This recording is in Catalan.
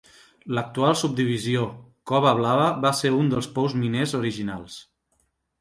L'actual subdivisió "Cova blava" va ser un dels pous miners original.